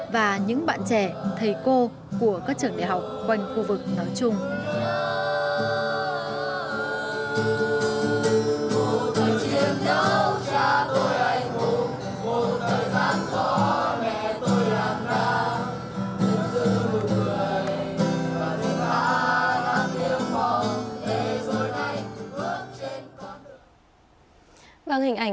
và những bạn trẻ thầy cô của các trường đại học quanh khu vực nói chung